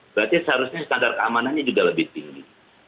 berarti seharusnya standar keamanannya juga lebih tinggi